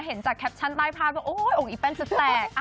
เห็นจากแคปชั่นใต้ภาพก็โอ๊ยอกอีแป้นจะแตก